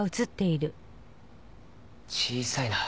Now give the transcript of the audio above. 小さいな。